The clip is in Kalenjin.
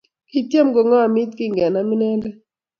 Kityem kongamit kingenam inendet